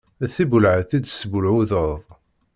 D tibbulɛeḍt i tesbbulɛuḍeḍ.